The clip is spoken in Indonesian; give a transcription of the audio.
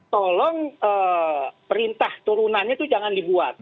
tolong perintah turunannya itu jangan dibuat